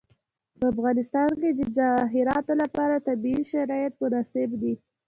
په افغانستان کې د جواهرات لپاره طبیعي شرایط مناسب دي.